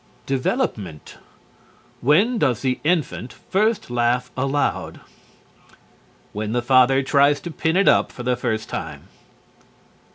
DEVELOPMENT When does the infant first laugh aloud? When father tries to pin it up for the first time.